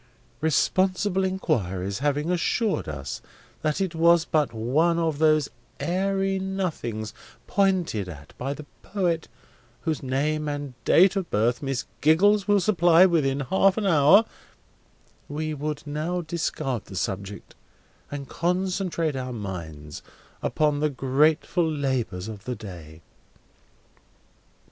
Responsible inquiries having assured us that it was but one of those "airy nothings" pointed at by the Poet (whose name and date of birth Miss Giggles will supply within half an hour), we would now discard the subject, and concentrate our minds upon the grateful labours of the day.